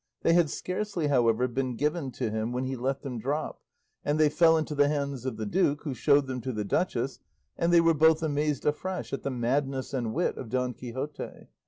They had scarcely, however, been given to him when he let them drop, and they fell into the hands of the duke, who showed them to the duchess and they were both amazed afresh at the madness and wit of Don Quixote.